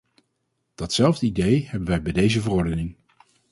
Datzelfde idee hebben wij bij deze verordening.